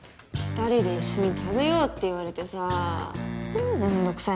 ２人で一緒に食べようって言われてさめんどくさ